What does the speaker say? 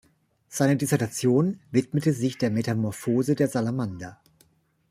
Seine Dissertation widmete sich der Metamorphose der Salamander.